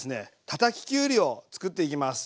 たたききゅうりを作っていきます。